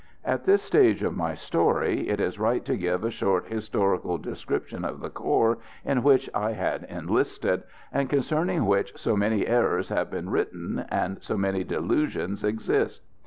At this stage of my story it is right to give a short historical description of the corps in which I had enlisted, and concerning which so many errors have been written, and so many delusions exist.